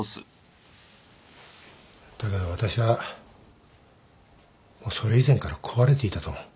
だけど私はもうそれ以前から壊れていたと思う。